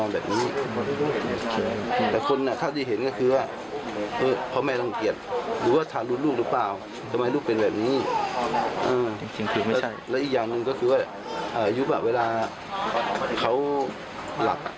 แล้วอีกอย่างหนึ่งก็คือว่าอายุแบบเวลาเขาหลับ